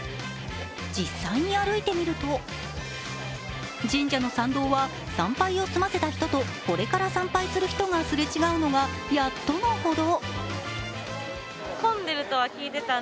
実際に歩いてみると神社の参道は参拝を済ませた人とこれから参拝する人がすれ違うのが、やっとのほど。